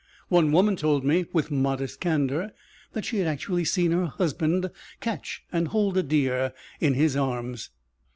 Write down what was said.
One woman told me with modest candor that she had actually seen her husband catch and hold a deer in his arms.